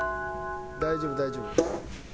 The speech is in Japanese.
大丈夫大丈夫。